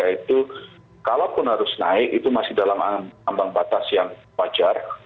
yaitu kalaupun harus naik itu masih dalam ambang batas yang wajar